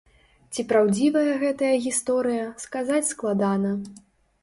Ці праўдзівая гэтая гісторыя, сказаць складана.